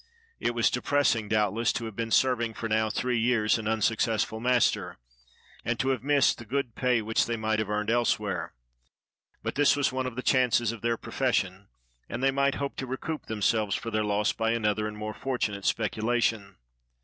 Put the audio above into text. It was depressing, doubt less, to have been serving for now three years an unsuc cessful master, and to have missed the good pay which they might have earned elsewhere. But this was one of the chances of their profession, and they might hope to recoup themselves for their loss by another and more fortunate speculation.